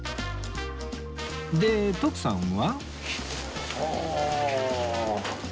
で徳さんは